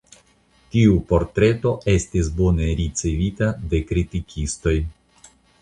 Tiu portreto estis bone ricevita de kritikistoj.